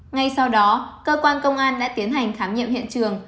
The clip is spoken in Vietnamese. ngay sau đó cơ quan công an đã tiến hành thám nhiệm hiện trường